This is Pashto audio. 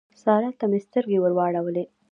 سارا ته مې سترګې ور واړولې.